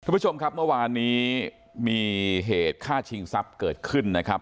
คุณผู้ชมครับเมื่อวานนี้มีเหตุฆ่าชิงทรัพย์เกิดขึ้นนะครับ